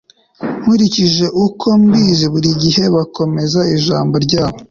Nkurikije uko mbizi burigihe bakomeza ijambo ryabo